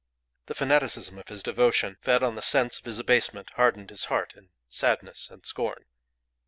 The fanaticism of his devotion, fed on the sense of his abasement, hardened his heart in sadness and scorn.